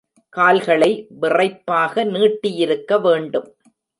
கால்களை விறைப்பாக நீட்டியிருக்க வேண்டும்.